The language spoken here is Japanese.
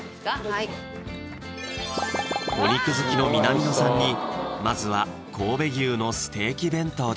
はいお肉好きの南野さんにまずは神戸牛のステーキ弁当です